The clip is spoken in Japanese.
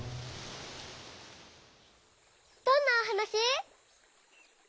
どんなおはなし？